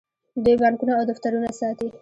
دوی بانکونه او دفترونه ساتي.